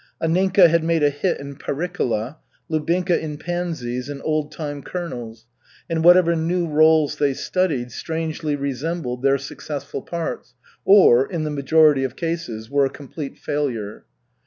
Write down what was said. Anninka had made a hit in Pericola, Lubinka in Pansies and Old time Colonels, and whatever new rôles they studied strangely resembled their successful parts, or, in the majority of cases, were a complete failure.